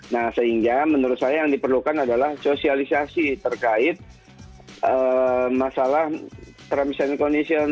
nah sehingga menurut saya yang diperlukan adalah sosialisasi terkait masalah terms and condition